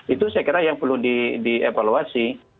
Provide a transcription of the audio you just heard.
itu saya kira yang perlu dievaluasi